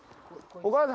お兄さん。